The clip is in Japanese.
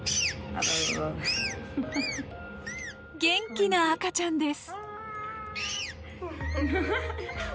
元気な赤ちゃんです。